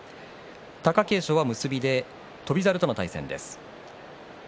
貴景勝は結びで翔猿との対戦です。